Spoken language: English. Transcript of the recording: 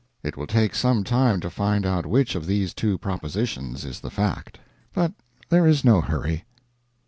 It will take some time to find out which of these two propositions is the fact. But there is no hurry.